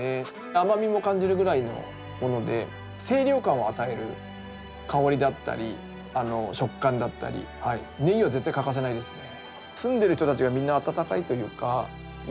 甘みも感じるぐらいのもので清涼感を与える香りだったり食感だったりねぎは絶対欠かせないですね。